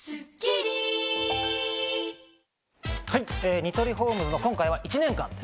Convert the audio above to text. ニトリホームズの今回は１年間です。